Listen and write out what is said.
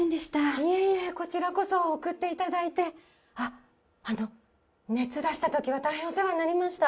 いえいえこちらこそ送っていただいてあっあの熱出したときは大変お世話になりました